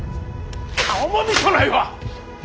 顔も見とうないわ！